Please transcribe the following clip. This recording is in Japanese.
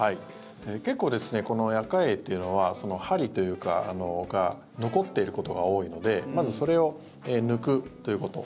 結構このアカエイっていうのは針というかが残っていることが多いのでまず、それを抜くということ。